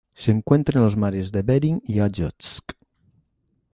Se encuentra en los mares de Bering y de Ojotsk.